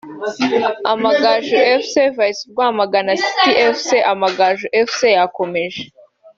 Amagaju Fc vs Rwamagana City Fc (*Amagaju Fc yakomeje)